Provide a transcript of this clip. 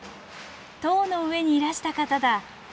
塔の上にいらした方だ。